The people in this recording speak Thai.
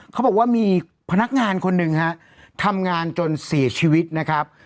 เขาบอกว่ามีพนักงานคนหนึ่งฮะทำงานจนเสียชีวิตนะครับ